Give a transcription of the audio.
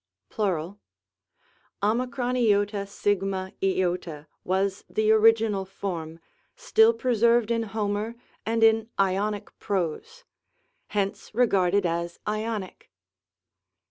(Plural.) ocac was the original form, still preserved in Homer, and in Ionic prose ; hence regarded as Ionic.